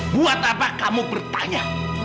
buat apa kamu bertanya